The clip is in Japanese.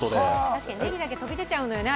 確かにねぎだけ出ちゃうのよね。